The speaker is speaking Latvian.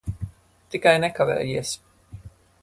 Tikai nekavējies.